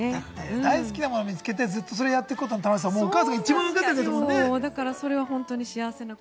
大好きなことを見つけて、それをやっていくことの楽しさは、お母さんが見つけてますもんね。